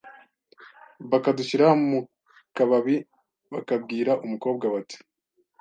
bakadushyira mu kababi bakabwira umukobwa bati: